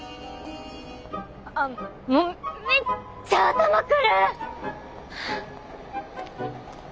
あもうめっちゃ頭来る！